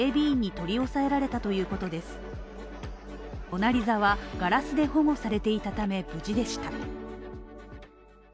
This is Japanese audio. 「モナ・リザ」はガラスで保護されていたため無事でした。